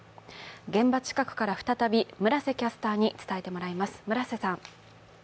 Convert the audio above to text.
現場近くから再び村瀬キャスターに伝えてもらいます。